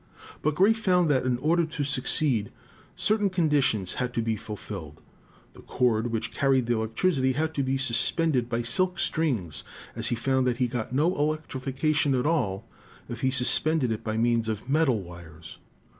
But Gray found that in order to succeed, certain condi tions had to be fulfilled; the cord which carried the elec tricity had to be suspended by silk strings, as he found 158 ELECTRICITY that he got no electrification at all if he suspended it by means of metal wires.